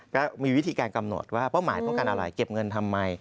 ก็มีวิธีการกำหนดว่าเป้าหมายต้องการอะไรเก็บเงินทำไม